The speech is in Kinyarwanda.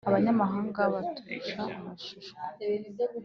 Abanyamahanga baturusha amasuhuko,